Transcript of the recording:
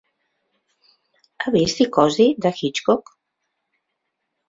Ha vist Psicosi, de Hitchcock?